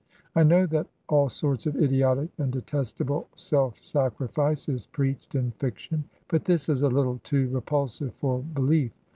I know that all sorts of idiotic and detestable self sacrifice is preached in fiction, but this is a little too repulsive for beUef